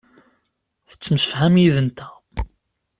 Tettemsefham yid-nteɣ.